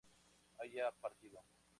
haya partido